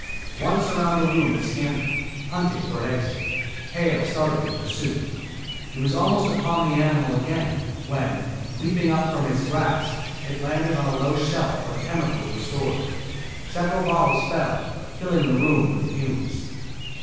Once around the room it scampered, hunting for an exit. Hale started in pursuit. He was almost upon the animal again, when, leaping up from his grasp, it landed on a low shelf where chemicals were stored. Several bottles fell, filling the room with fumes.